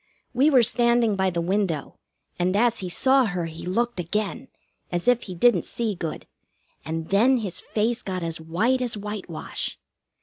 We were standing by the window, and as he saw her he looked again, as if he didn't see good, and then his face got as white as whitewash.